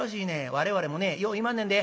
我々もねよう言いまんねんで。